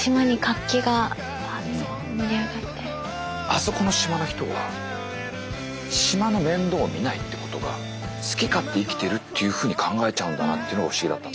あそこの島の人は島の面倒を見ないってことが好き勝手生きてるっていうふうに考えちゃうんだなっていうのが不思議だった。